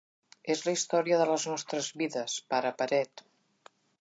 És la història de les nostres vides, pare paret.